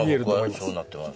今僕はそうなってます